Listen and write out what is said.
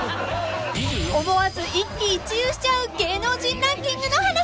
［思わず一喜一憂しちゃう芸能人ランキングの話］